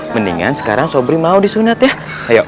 mendingan sekarang sobri mau disunat ya ayo